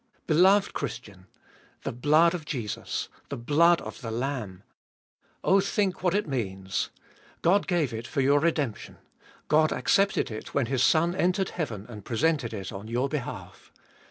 Beloved Christian ! The blood of Jesus ! The blood of the Lamb ! Oh think what it means. God .gave it for your redemp tion. God accepted it when His Son entered heaven and presented it on your behalf.